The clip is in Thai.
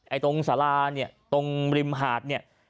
ตรงสาราเนี่ยตรงริมหาดเนี่ย